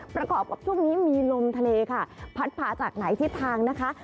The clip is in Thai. ประกอบกับช่วงนี้มีลมทะเลค่ะพัดผ่าจากหลายทิศทางนะคะ